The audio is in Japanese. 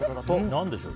何でしょう？